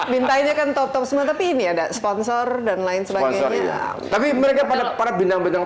bintangnya kan top top semua tapi ini ada sponsor dan lain sebagainya tapi mereka pada para bintang bintang